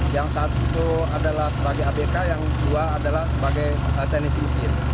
yang satu itu adalah sebagai abk yang dua adalah sebagai teknisi mesin